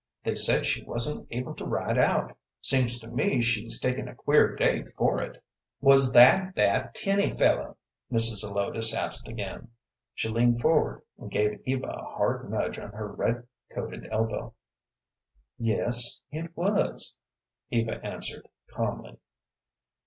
They said she wasn't able to ride out. Seems to me she's taken a queer day for it." "Was that that Tinny fellow?" Mrs. Zelotes asked again. She leaned forward and gave Eva a hard nudge on her red coated elbow. "Yes, it was," Eva answered, calmly.